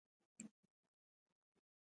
لړزیدل بدن ګرموي